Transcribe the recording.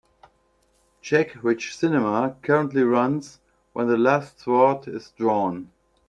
Check which cinema currently runs When the Last Sword is Drawn.